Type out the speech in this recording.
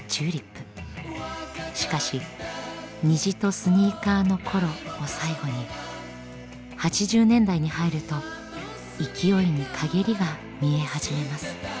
しかし「虹とスニーカーの頃」を最後に８０年代に入ると勢いにかげりが見え始めます。